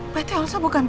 pak teh olso bukan mbak